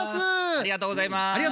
ありがとうございます。